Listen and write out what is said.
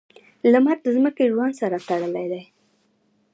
• لمر د ځمکې ژوند سره تړلی دی.